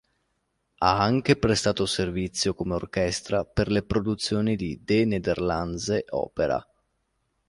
Ha anche prestato servizio come orchestra per le produzioni di De Nederlandse Opera.